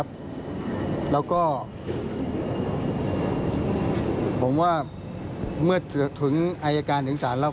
ตรงนี้อย่างไรเราต้องแย่งข้อกาวหา